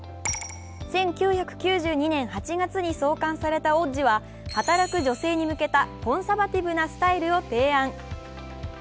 １９９２年８月に創刊された「Ｏｇｇｉ」は働く女性に向けた、コンサバティブなスタイルを提案。